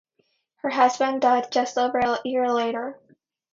Her husband died just over a year later.